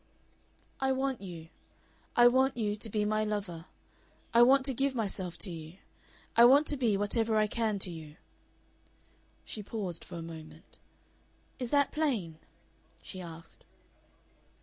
"I want you. I want you to be my lover. I want to give myself to you. I want to be whatever I can to you." She paused for a moment. "Is that plain?" she asked.